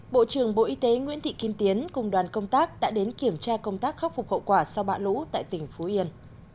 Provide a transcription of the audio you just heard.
bộ trưởng bộ y tế nguyễn thị kim tiến cùng đoàn công tác đã đến kiểm tra công tác khắc phục hậu quả sau bão lũ tại tỉnh phú yên